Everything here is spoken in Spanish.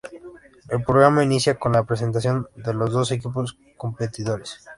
El programa inicia con la presentación de los dos equipos de competidores.